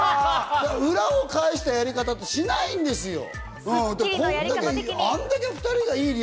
裏を返したやり方ってしないんですよ。